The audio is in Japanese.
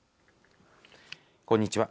こんにちは。